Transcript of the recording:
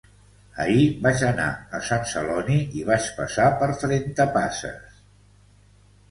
Ahir vaig anar a Sant Celoni i vaig passar per Trentapasses